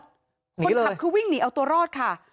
คนขับคือวิ่งหนีเอาตัวรอดค่ะ